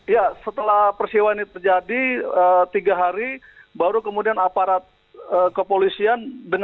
ya setelah persiwa ini terjadi tiga hari baru kemudian aparat kepolisian